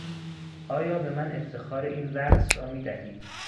آیا به من افتخار این رقص را میدهید؟